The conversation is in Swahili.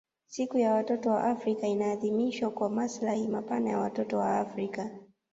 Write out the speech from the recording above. Siku ya mtoto wa Afrika inaadhimishwa kwa maslahi mapana ya watoto wa Afrika